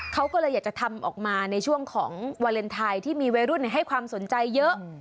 เขาก็เลยอยากจะทำออกมาในช่วงของวาเลนไทยที่มีวัยรุ่นให้ความสนใจเยอะ